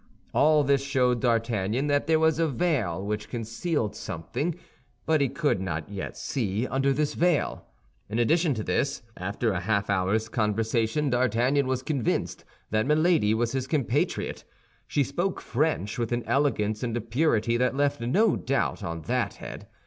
All this showed D'Artagnan that there was a veil which concealed something; but he could not yet see under this veil. In addition to this, after a half hour's conversation D'Artagnan was convinced that Milady was his compatriot; she spoke French with an elegance and a purity that left no doubt on that head.